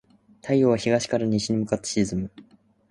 太陽は東から西に向かって沈む。